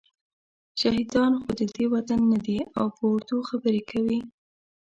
شهادیان خو ددې وطن نه دي او په اردو خبرې کوي.